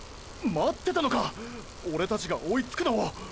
待ってたのか⁉オレたちが追いつくのを。